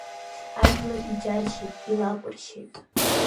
Ажәлар иџьаршьеит, илакәыршьеит.